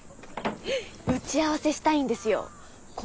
打ち合わせしたいんですよー。